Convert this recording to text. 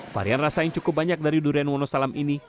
varian rasa yang cukup banyak dari durian wonosalam ini